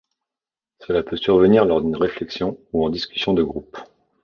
Cela peut survenir lors d'une réflexion ou en discussion de groupe.